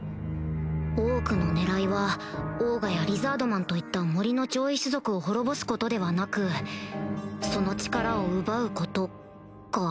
オークの狙いはオーガやリザードマンといった森の上位種族を滅ぼすことではなくその力を奪うことか？